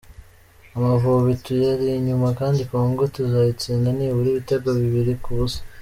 Amavubi tuyari inyuma kandi Congo tuzayitsinda nibura ibitego bibiri ku busa.